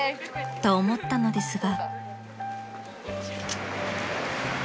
［と思ったのですが］